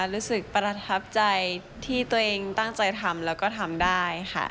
รู้สึกประทับใจที่ตัวเองตั้งใจทำแล้วก็ทำได้ค่ะ